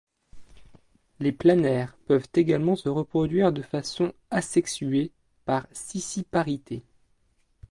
Les planaires peuvent également se reproduire de façon asexuée, par scissiparité.